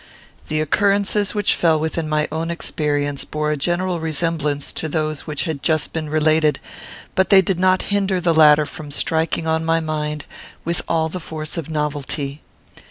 The occurrences which fell within my own experience bore a general resemblance to those which had just been related, but they did not hinder the latter from striking on my mind with all the force of novelty.